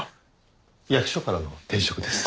役所からの転職です。